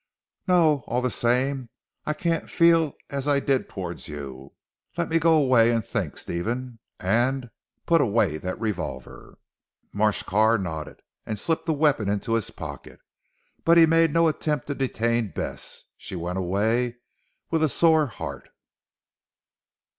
"No. All the same I can't feel as I did towards you. Let me go away and think Stephen. And put away that revolver." Marsh Carr nodded, and slipped the weapon into his pocket. But he made no attempt to detain Bess. She went away with a sore heart.